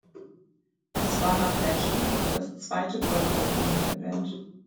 Es war nach "Legend" das zweite Gold-Album der Band.